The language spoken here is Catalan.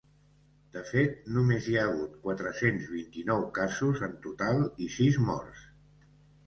De fet, només hi ha hagut quatre-cents vint-i-nou casos en total i sis morts.